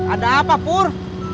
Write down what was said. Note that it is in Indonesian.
ada apa pur